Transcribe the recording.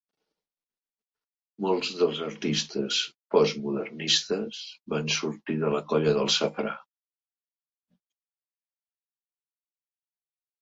Molts dels artistes postmodernistes van sortir de la colla del Safrà.